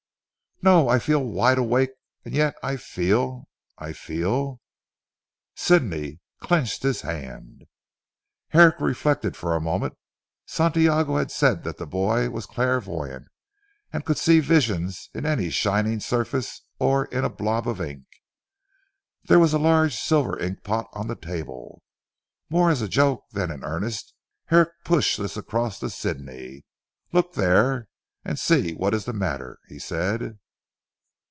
"No! I feel wide awake, and yet I feel I feel," Sidney clenched his hand. Herrick reflected for a moment. Santiago had said that the boy was clairvoyant, and could see visions in any shining surface or in a blob of ink. There was a large silver ink pot on the table. More as a joke than in earnest, Herrick pushed this across to Sidney. "Look there and see what is the matter," he said.